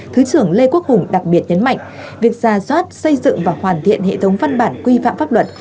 thứ trưởng lê quốc hùng đặc biệt nhấn mạnh việc ra soát xây dựng và hoàn thiện hệ thống văn bản quy phạm pháp luật